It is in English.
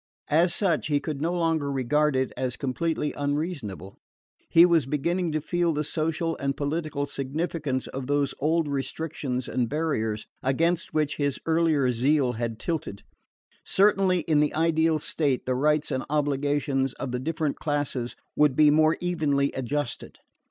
As such, he could no longer regard it as completely unreasonable. He was beginning to feel the social and political significance of those old restrictions and barriers against which his early zeal had tilted. Certainly in the ideal state the rights and obligations of the different classes would be more evenly adjusted.